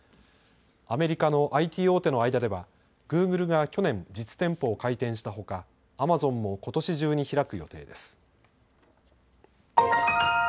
アメリカのＩＴ大手の間ではグーグルが去年、実店舗を開店したほか、アマゾンもことし中に開く予定です。